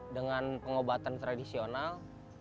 dengan pengobatan tradisional